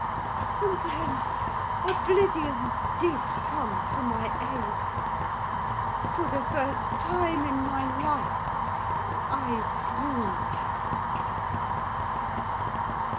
And then oblivion did come to my aid. For the first time in my life I swooned.